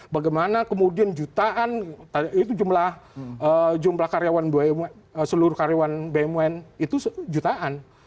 bagaimana kemudian jutaan itu jumlah karyawan bumn seluruh karyawan bumn itu jutaan